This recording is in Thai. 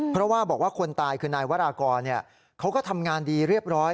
เพราะว่าบอกว่าคนตายคือนายวรากรเขาก็ทำงานดีเรียบร้อย